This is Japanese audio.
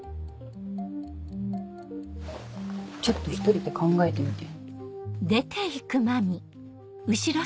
ちょっと１人で考えてみて。